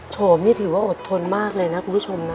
โฉมนี่ถือว่าอดทนมากเลยนะคุณผู้ชมนะ